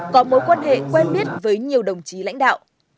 có mối quan hệ quen biết với nhiều đồng chí lãnh đạo